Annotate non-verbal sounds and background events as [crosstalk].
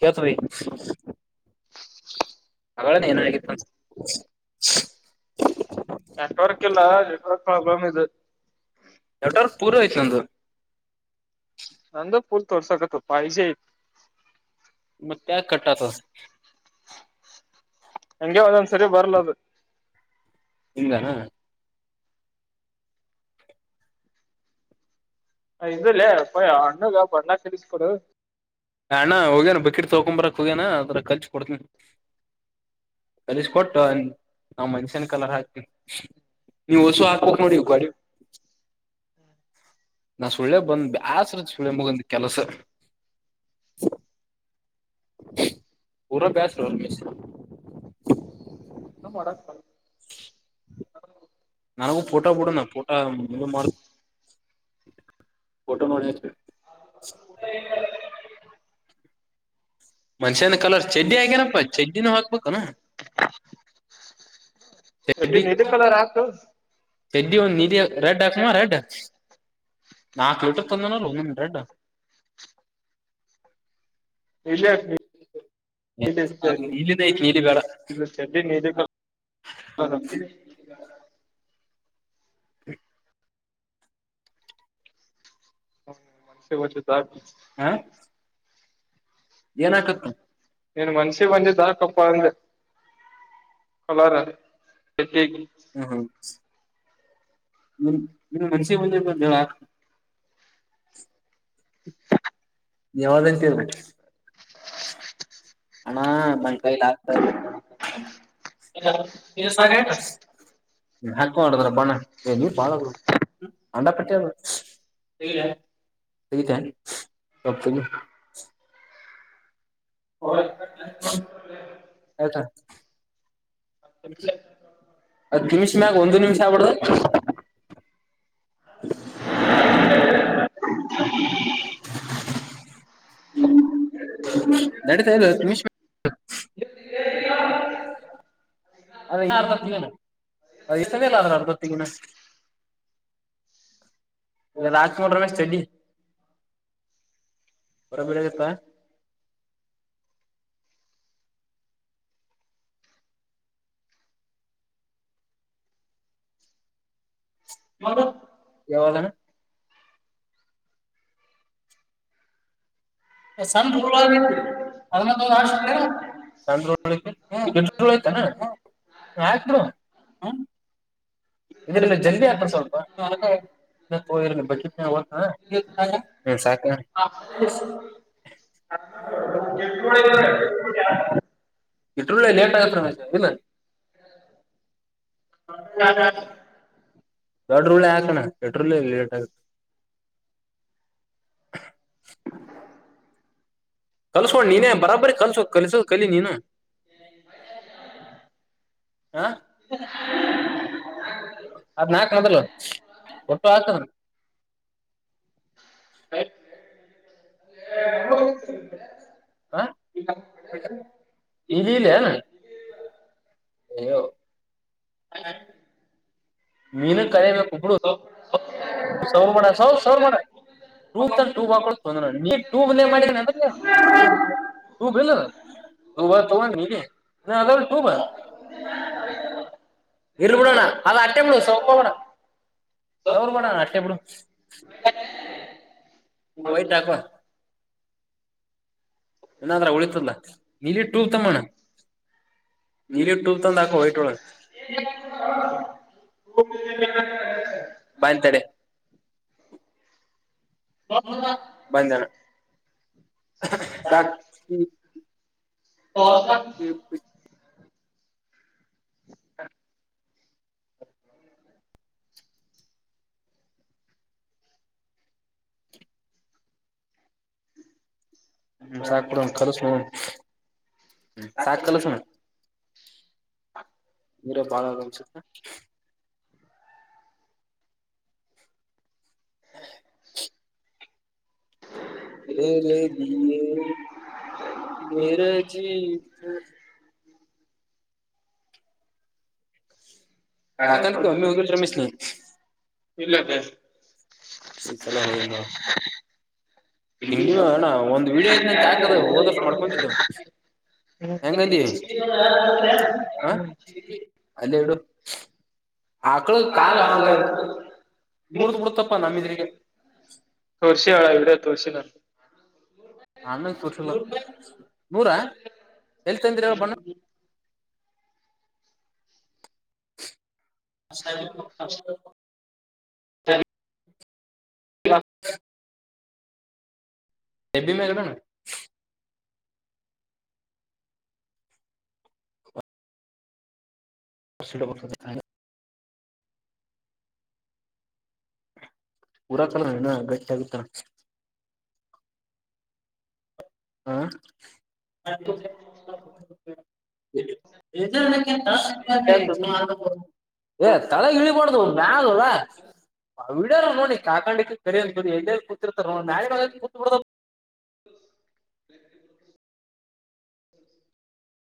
ಕೆತರಿೀ [unintelligible] ಅವ ಏನಾಗಿತ್ತು ನೆಟ್ವರ್ಕ್ ಇಲ್ಲ ನೆಟ್ವರ್ಕ್ ಪ್ರಾಬ್ಲಮ್ ಇದು. ಎಟಾರ ಪೂರ ಇಐಂತ ನಂದ ಪುಲ್ ತೋಡಸಕ ಪಜೆ. ಮತ್ತ ಕಟ್ಟತ ಹಂಗೆ ಒಂದೊಂದ್ಸರಿ ಬರ್ಲದು. ನಿಿಂ [unintelligible] ದಾನ ಇದಲ್ಲೇ ಪಯ ಹಣ್ಣುಗ ಬಣ್ಣ ಕಿಸ್ ಕೊೊಡು ಹಣ್ಣ ಹೋಗ್ಯನ ಬಕಿಟ್ ತಕೊಂಬರಕ್ ಹೋಗ್ಯನ ಅದರ ಕಲ್ಚ ಕೊಡ್ತನ ಕಲಿಸ ಕೊಟ್ಟ ನಾವ್ ಮನ್ಷ್ಯನ್ ಕಲರ್ ಹಾಕ್ತವಿ ನೀವು ಹಸು ಹಾಕ್ಬೇಕ ನೋಡಿ ನೀವು ಸುಳೆ ಬಂದ್ ಬಸ್ರ ಚುಳೆ ಮುಗಂದ ಕೆಲಸ ಪೂರಾ ಬ್ಯಾಚ್ ರರ್ ಮಶ ನ ಮಾಡಕ್ [inaudible] [inaudible] ನನಗುಫೋಟಾ ಬಿಡ ಫೋಟಾ ಮುಂದ ಮಾರ್ ಫೋಟೋ ನೋಡಿ ಹಚ್ಬೇಕು [inaudible] ಮನ್ಷ್ಯನ ಕಲರ್ ಚಡ್ಡಿ ಆಗ್ಯನಪ್ಪಾ ಚಡ್ಡಿನೂ ಹಾಕ್ಬೇಕನಾ ಎಡ ನಿ ಇದು ಕಲರ್ ಆಾಕ ತೆದ್ದಿ ಒಂದ್ ನಿಧಿ ರೆಡ್ ಹಾಕಮ್ಮ ರೆಡ್ ನಾಕ್ ಲೋಟ್ರರ್ ತಂದನಲ್ ಒ್ ದೆಡ್ಡು ನೀಲಿ ಇದೇ ಹಾಕು, ನೀಲಿ ಹಾಗ ನೀಲಿದೈ ನೀಲಿ ಬೇಡ ಹೌದ [unintelligible] ಏನಕತ್ ನೀನ್ ಮನ್ಷಿ ಬಂದಿಾಕಪ್ಪ ಅಂದ್ರೆ ಕಲರ್ ಹೆಗೆ ಹ್ಮ ಹ್ಮ ನಿ ನಿ ಮನ್ಸಿ ಮುಂದಾ ಯಾವ್ದು ಎಂತ [inaudible] ಅಣ ನನ್ನ ಕೈಲ್ ಲಗತ ದ ಸಾಗಯತ ್ಮ ಹಾಕ್ಕ ಮಾಡುದ್ರ ಬಣ ಏ ನೀ ಬಾಳ ಅಂಡಾ ಪ ೀತನ್ ದ ಫುಲ್ [unintelligible] ಹದ ಇಲ್ಲ ನಿಮಿಷ ಮ್ಯಾಗ ಒಂದು ನಿಮಿಷ ಆಗ್ಬಿಡ್ದು [inaudible] [inaudible] ಹ್ಮ [inaudible] ನಡೀತಾ ಇಲ್ಲ ಹತ್ ನಿಮಿಷ ಅದ ಅರ್ಧಗನೇಲ್ಲ ಆದ್ರ ಅರ್ಧತ್ತಗಿನ ರಾಜಕುಳ ರಮೇಶ್ ಚೆಡಿ ರ ಬಿಲೆಗಪ್ಪಾ ಹ ಯಾವಾಗಣ ಸಣ್ಣ ಹುಳ [unintelligible] ಮ್ಯತ್ರೆ ಹ್ಮ್ ಇದ್ರ ಜಲ್ಿ ಹತ್ರ ಸ್ವಲ್ಪ ಬ ಹ ಇಟ್ಟಳ್ಳ ಲೇಟಾಗಲ್ಲ [unintelligible] ದಟ್ರೂಳ ಆಾಕಣ ಎಟ್ರೂಲ್ ಲೇಟ್ ಆ [inaudible] ಕಲ್ಸೋ ನೀ ನ ಬರಬರ್ ಕಲ್ಸೋ ಕಲಿಸ ಕಲಿ ನೀ ನು ಹ ಅದ್ ನಾಕು ಮೊದಲು ಒಟ್ಟು ಹತ್ತು ಇಲ್ಲ ಹ [unintelligible] ಯೋ ಹ ನಿನ್ನನ್ನು ಕರಿಬೇಕು ಬಿಡು ಸೌರ್ ಮಾಡ ಸೌ ಸೌರ್ ಮಾಡ ಟೂ ಟೂ ಹಾಕ ತೊಂದ್ರ ನೀ ಟೂ ಮಾಡ ಅದಾಗ್ ನೀನು [unintelligible] [inaudible] ಇರ್ ಬಿಡೋಣ ಅದು ಅಟ್ಟೆ ಬಿಡ ಸೌರ್ ಸೌರ್ ಬಿಡೋಣ ಅ ಅಷ್ಟೇ ಬಿಡು ವೈಟ್ ನೆ ಹಾಕೋ ಏನಾದ್ರ ಉಳಿತದಲ್ಲ ನೀಲಿಟ್ಟೂ ತಮ್ಮಣ್ಣ ನೀಲಿಟೂಬ ತಂದಾಕೋ ವೈಟ್ ಒಳಗೆ ಬಂದಂತೆಡೆ ಬಂದಣ ಸಾಕ್ ಹ್ಮ ಹ್ಮ್ ಸಾಕ್ ಬಿಡು ಕಳಿಸಿ ನೋಡೋಣ ಸಾಕ್ ಕಳ್ಸಣ ನೀರೇ ಬಾಳ ಅನ್ಸುತ್ತೆ ಹ ತರೆ ಬಿ ತೆರೆ ಜೀ ಕಾಕ ನಕ್ಕೆಮ್ಮೀ ಹೋಗ ರಮೇಶ ನೀ ಸಲಾಮು ತಿಂಡಿ ಅಣ್ಣ ಒಂದು ವಿಡಿಯೋ ಐತೆ ನಂಕ್ ಹಾಕದ ಹೋದ ವರ್ಷ ಮಾಡ್ಕೊಡಿದ್ದು ಎಂಗಂದಿ ಹ ಅಲ್ಲೇ ಇಡು ಆಕಳ ಕಾಲ ಅವಾಗ ಮುರ್ದು ಬಿಡ್ತಪ್ಪ ನಮಿದ್ರಿಗೆ ತುಳಸಿ ಒಳಗ ತುಳಸಿನ ಅನ್ನ ನೂರಾ ಎಲ್ ತಂದಿರ ಹಣ್ಣ ಅ ರಿ ಆ [unintelligible] [unintelligible] [inaudible] ಪೂರಾ ಕಳಿಸ್ತಿಯಲ್ಲ ಗಟ್ಟಿ ಆಗುತ್ತ ಹಾ ಏ ತಲೆ ಇಳಿ ಮಾಡುದು ಮ್ಯಾಲ ಆ ವಿಡಿಯೋ ಆರಾ ನೋಡಿ ಕಾಕಂಡಿಕ್ಕೆ ಕರಿ ಅನ್ಕುದು ಎಲ್ಲ ಕೂತಿರ್ತಾರ ನೋ ಕೂತ್ ಬಿಡ ಹ